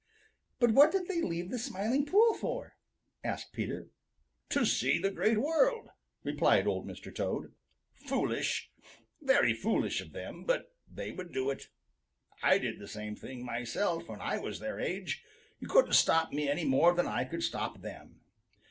"But what did they leave the Smiling Pool for?" Peter asked. "To see the Great World," replied Old Mr. Toad. "Foolish, very foolish of them, but they would do it. I did the same thing myself when I was their age. Couldn't stop me any more than I could stop them.